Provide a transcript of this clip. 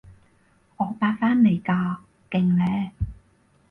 我八返嚟㗎，勁呢？